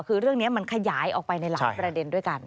คือเรื่องนี้มันขยายออกไปในหลายประเด็นด้วยกัน